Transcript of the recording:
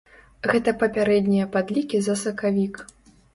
Гэта папярэднія падлікі за сакавік.